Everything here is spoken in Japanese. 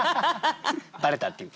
バレたっていう。